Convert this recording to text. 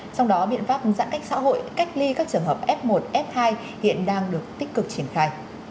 trong đó biện pháp giãn cách xã hội cách ly các trường hợp f một f hai hiện đang được tích cực triển khai